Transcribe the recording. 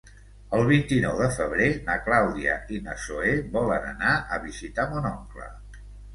El vint-i-nou de febrer na Clàudia i na Zoè volen anar a visitar mon oncle.